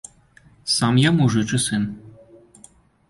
Сам я мужычы сын.